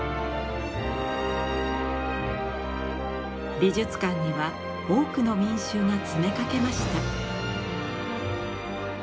美術館には多くの民衆が詰めかけました。